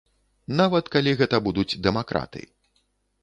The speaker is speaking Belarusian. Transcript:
Нават калі гэта будуць дэмакраты.